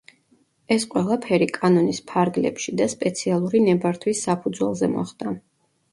ეს ყველაფერი კანონის ფარგლებში და სპეციალური ნებართვის საფუძველზე მოხდა.